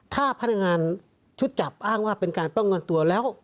ถ้าพนักงานชุดจับอ้างว่าเป็นการป้องกันตัวแล้ว